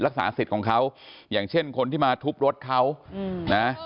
สิทธิ์ของเขาอย่างเช่นคนที่มาทุบรถเขานะ